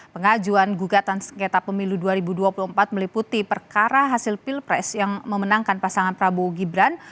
pengajuan gugatan sengketa pemilu dua ribu dua puluh empat meliputi perkara hasil pilpres yang memenangkan pasangan prabowo gibran